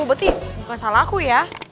berarti bukan salah aku ya